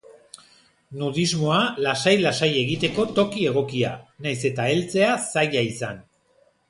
Nudismoa lasai-lasai egiteko toki egokia, nahiz eta heltzea zaila izan.